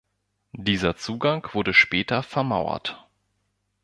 Dieser Zugang wurde später vermauert.